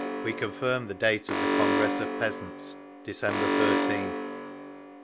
We confirm the date of the Congress of Peasants, _December 13th.